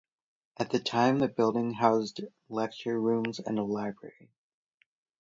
At the time, the building housed lecture rooms and a library.